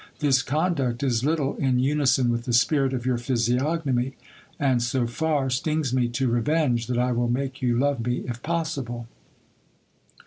This conduct is little in unison with the spirit of your physiognomy, and so far stings me to re venge that I will make you love me if possible."